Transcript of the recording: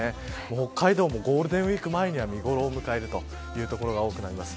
北海道もゴールデンウイーク前には見頃を迎える所が多くなります。